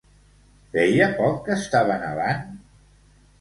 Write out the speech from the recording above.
Feia poc que estava nevant?